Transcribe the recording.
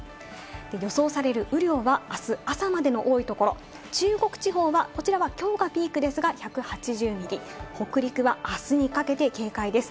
予想される雨量はあす朝までの多いところ、中国地方はこちらは今日がピークですが１８０ミリ、北陸はあすにかけて警戒です。